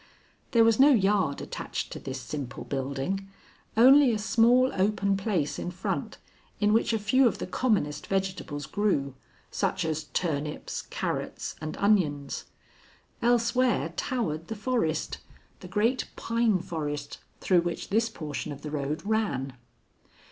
There was no yard attached to this simple building, only a small open place in front in which a few of the commonest vegetables grew, such as turnips, carrots, and onions. Elsewhere towered the forest the great pine forest through which this portion of the road ran.